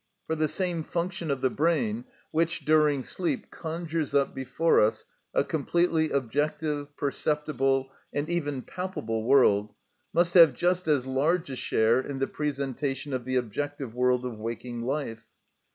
For the same function of the brain which, during sleep, conjures up before us a completely objective, perceptible, and even palpable world must have just as large a share in the presentation of the objective world of waking life.